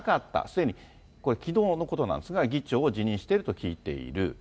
すでに、これ、きのうのことなんですが、議長を辞任していると聞いている。